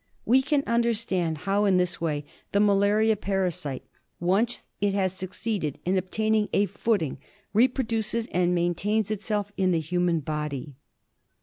We can understand how in this way the malaria para site, once it has succeeded in obtaining a footing, repro duces and maintains itself in the human body.